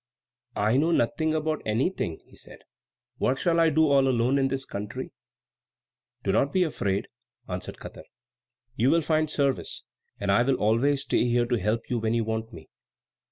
"I know nothing about anything," he said. "What shall I do all alone in this country?" "Do not be afraid," answered Katar. "You will find service, and I will always stay here to help you when you want me.